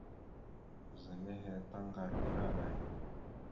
Ɓəza nehe taŋga ira aŋay?